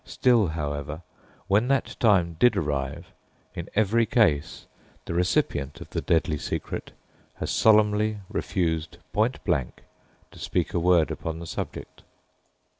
Still, however, when that time did arrive, in every case the recipient of the deadly secret has solemnly refused point blank to speak a word upon the subject.